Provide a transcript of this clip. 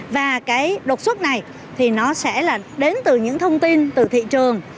và đột xuất này sẽ đến từ những thông tin từ thị trường